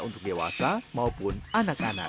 untuk dewasa maupun anak anak